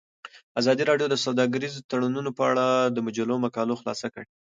ازادي راډیو د سوداګریز تړونونه په اړه د مجلو مقالو خلاصه کړې.